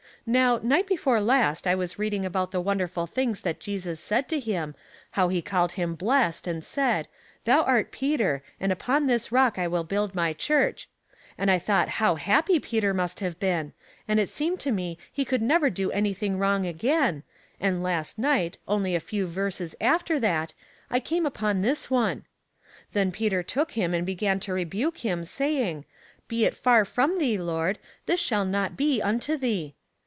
Now, night before last I was reading about the wondeiful things that Jesus Biiid to him, how he called him blessed and said, •• Thou art Peter, and upon this rock I will build my Church,' and 1 thought how happy Peter must have been, and it seemed to me he could never do anything wrong again, and last night, only a few verses after that, I came upon this one: 'Then Peter took him, and began lo rebuke him, saying. Be it far from thee. Lord; this shall not be unto thee.'